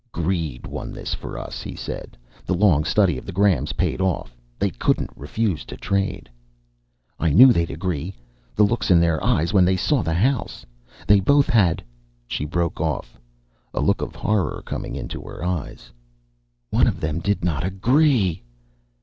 "Greed won this for us," he said. "The long study of the Grahams paid off. They couldn't refuse to trade." "I knew they'd agree. The looks in their eyes when they saw the house! They both had ..." She broke off, a look of horror coming into her eyes. "One of them did not agree!"